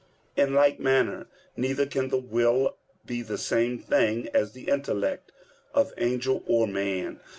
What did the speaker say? In like manner neither can the will be the same thing as the intellect of angel or man.